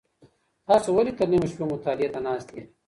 تاسو ولي تر نیمو شپو مطالعې ته ناست یئ؟